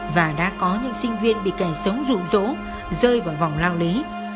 và đã có những sinh viên bị kẻ sống rủi rỗ rơi vào vòng lao lý